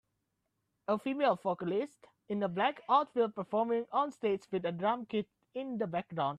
A female vocalist in a black outfit performing on stage with a drum kit in the background.